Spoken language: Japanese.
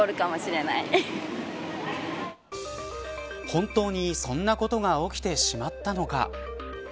本当に、そんなことが起きてしまったのか。